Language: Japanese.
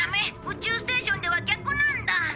宇宙ステーションでは逆なんだ。